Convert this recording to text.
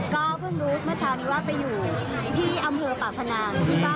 ก็เพิ่งรู้เมื่อเช้านี้ว่าไปอยู่ที่อำเภอปากพนัง